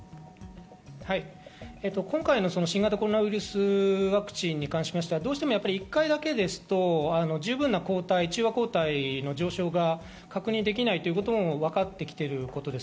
今回の新型コロナワクチンに関しましては、どうしても１回だけだと十分な中和抗体の上昇が確認できないということも分かってきていることです。